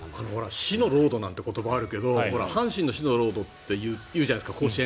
死のロードなんて言葉があるけど阪神の死のロードっていうじゃないですか。